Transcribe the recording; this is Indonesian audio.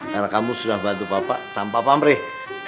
karena kamu sudah bantu bapak tanpa pamrih